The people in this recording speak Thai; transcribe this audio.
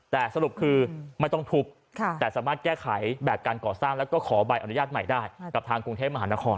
แต่สรุปคือไม่ต้องทุบแต่สามารถแก้ไขแบบการก่อสร้างแล้วก็ขอใบอนุญาตใหม่ได้กับทางกรุงเทพมหานคร